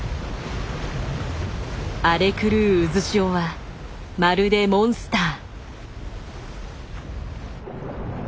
荒れ狂う渦潮はまるでモンスター。